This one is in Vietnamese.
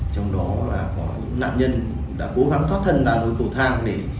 trong đó là có những nạn nhân đã cố gắng thoát thân ra đồi cầu thang